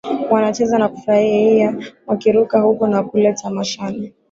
Wanacheza na kufurahia wakiruka huku na kule tamashani